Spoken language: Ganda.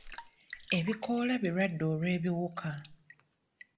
Ebikoola birwadde olw'ebiwuka.